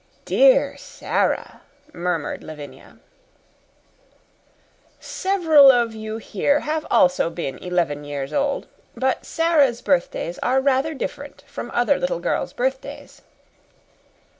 "DEAR Sara!" murmured Lavinia. "Several of you here have also been eleven years old, but Sara's birthdays are rather different from other little girls' birthdays.